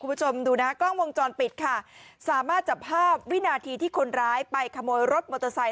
คุณผู้ชมดูนะกล้องวงจรปิดค่ะสามารถจับภาพวินาทีที่คนร้ายไปขโมยรถมอเตอร์ไซค